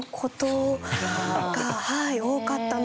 多かったので。